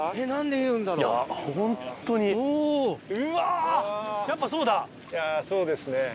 いやそうですね。